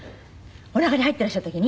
おなかに入ってらっしゃる時に？